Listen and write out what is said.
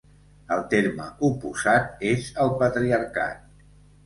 El terme oposat és el patriarcat.